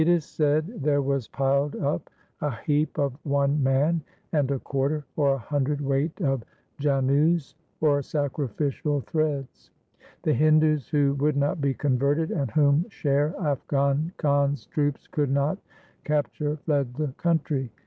IV B b 370 THE SIKH RELIGION said there was piled up a heap of one man and a quarter, or a hundred weight of janeus or sacrificial threads. The Hindus who would not be converted and whom Sher Afghan Khan's troops could not capture fled the country.